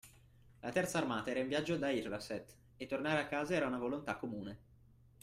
La terza armata era in viaggio da Ilraset, e tornare a casa era una volontà comune.